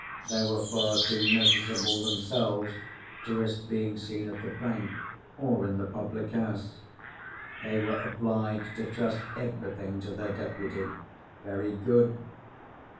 They were far too noticeable themselves to risk being seen at the bank, or in the public house—they were obliged to trust everything to their deputy. Very good.